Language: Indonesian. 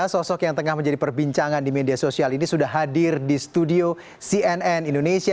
sosok yang tengah menjadi perbincangan di media sosial ini sudah hadir di studio cnn indonesia